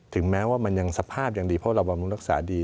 ถึงแม้ว่ามันยังสภาพยังดีเพราะเราบำรุงรักษาดี